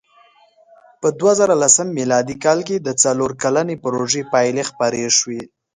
په دوهزرهلسم مېلادي کال کې د څلور کلنې پروژې پایلې خپرې شوې.